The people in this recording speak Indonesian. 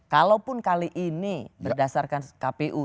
kalaupun kali ini berdasarkan kpu